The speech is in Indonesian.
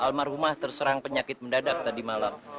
almarhumah terserang penyakit mendadak tadi malam